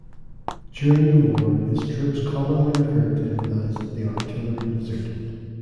During the war his troops commonly referred to him as "the artillery wizard".